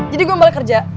jadi gua mau balik kerja